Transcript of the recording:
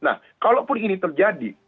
nah kalaupun ini terjadi